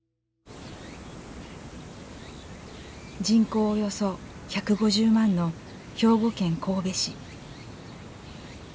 人口およそ１５０万の兵庫県神戸市。